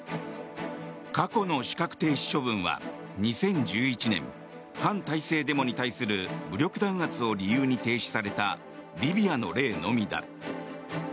過去の資格停止処分は２０１１年反体制デモに対する武力弾圧を理由に停止されたリビアの例のみだ。